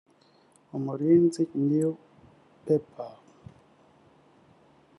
Umurinzi newspaper